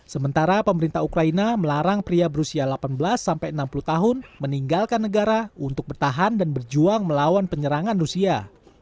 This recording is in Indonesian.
sementara pemerintah ukraina melarang pria berusia delapan belas sampai enam puluh tahun meninggalkan negara untuk bertahan dan berjuang melawan penyerangan rusia